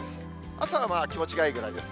朝は気持ちがいいぐらいです。